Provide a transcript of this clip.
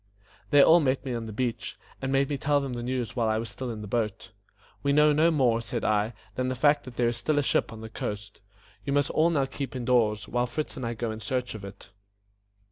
They all met me on the beach, and made me tell them the news while I was still in the boat. "We know no more," said I, "than the fact that there is still a ship on the coast. You must all now keep in doors, while Fritz and I go in search of it."